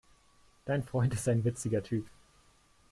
Dein Freund ist ein witziger Typ.